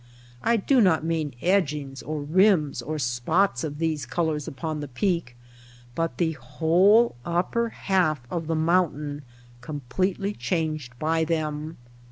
I do not mean edgings or rims or spots of these colors upon the peak, but the whole upper half of the mountain completely changed by them.